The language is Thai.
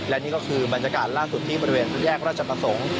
และนี่ก็คือบรรยากาศล่าสุดที่บริเวณแยกราชประสงค์